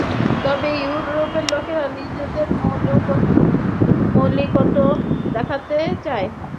তবে ইউরোপের লোকেরা নিজেদের মৌলিকত্ব দেখাইতে চায়।